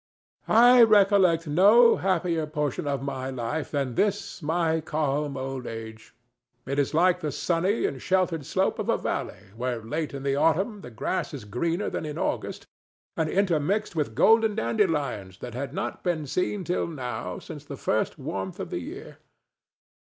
I recollect no happier portion of my life than this my calm old age. It is like the sunny and sheltered slope of a valley where late in the autumn the grass is greener than in August, and intermixed with golden dandelions that had not been seen till now since the first warmth of the year.